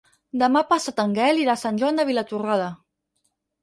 Demà passat en Gaël irà a Sant Joan de Vilatorrada.